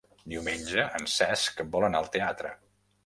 Diumenge en Cesc vol anar al teatre.